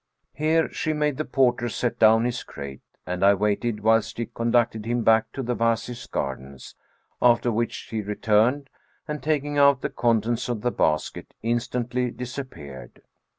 Here she made the porter set down his crate, and I waited whilst she conducted him back to the Wazir's Gardens, after which she returned and, taking out the contents of the basket, instantly disappeared.